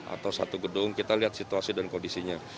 atau satu gedung kita lihat situasi dan kondisinya